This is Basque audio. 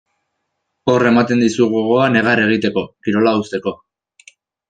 Hor ematen dizu gogoa negar egiteko, kirola uzteko.